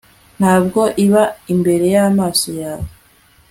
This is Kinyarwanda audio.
Ntabwo iba imbere yamaso yawe